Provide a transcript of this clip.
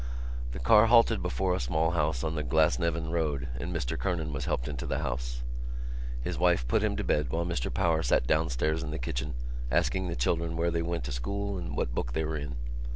The car halted before a small house on the Glasnevin road and Mr Kernan was helped into the house. His wife put him to bed while Mr Power sat downstairs in the kitchen asking the children where they went to school and what book they were in.